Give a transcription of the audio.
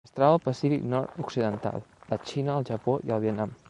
Es troba al Pacífic nord-occidental: la Xina, el Japó i el Vietnam.